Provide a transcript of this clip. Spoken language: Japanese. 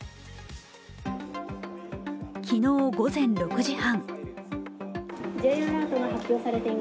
昨日午前６時半。